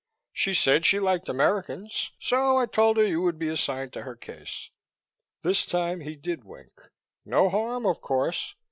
She said she liked Americans, so I told her you would be assigned to her case." This time he did wink. "No harm, of course.